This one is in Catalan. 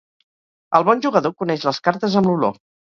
El bon jugador coneix les cartes amb l'olor.